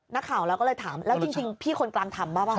นักข่าวแล้วก็เลยถามแล้วจริงพี่คนกลางทำหรือเปล่า